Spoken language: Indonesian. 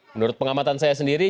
menurut pengamatan saya sendiri